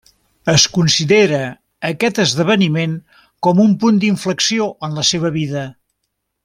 Es considera aquest esdeveniment com un punt d'inflexió en la seva vida.